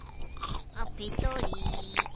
あっペトリ。